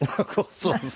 そうですね。